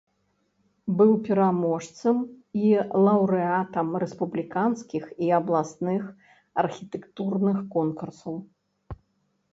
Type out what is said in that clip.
Быў пераможцам і лаўрэатам рэспубліканскіх і абласных архітэктурных конкурсаў.